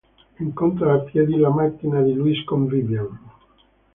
Incontra a piedi la macchina di Luis con Vivian.